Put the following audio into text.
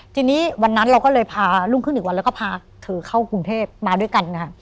ทีนี้วันนั้นเราก็เลยพาลุงครึ่งหนึ่งวันแล้วก็พาถือเข้ากรุงเทพฯมาด้วยกัน